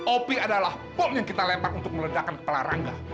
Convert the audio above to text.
op adalah bom yang kita lepak untuk meledakan pelarangga